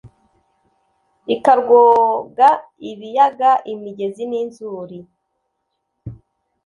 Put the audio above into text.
ikarwoga ibiyaga imigezi n’inzuri